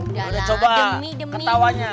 udah coba ketawanya